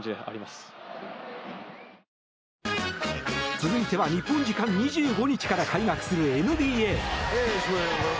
続いては、日本時間２５日から開幕するＮＢＡ。